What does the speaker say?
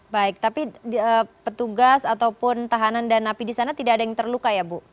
baik tapi petugas ataupun tahanan dan napi di sana tidak ada yang terluka ya bu